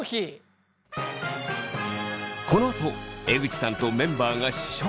このあと江口さんとメンバーが試食です。